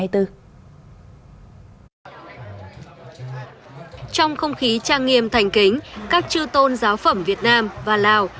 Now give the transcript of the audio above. trong không khí trang nghiêm thành kính các chư tôn giáo phẩm việt nam và lào